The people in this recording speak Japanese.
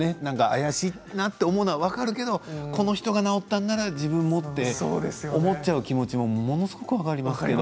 怪しいなと思うのは分かるけどこの人が治ったなら自分もと思ってしまう気持ちもものすごく分かります。